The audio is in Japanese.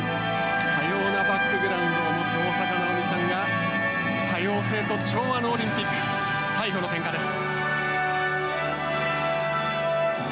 多様なバックグラウンドを持つ大坂なおみさんが多様性と調和のオリンピック、最後の点火です。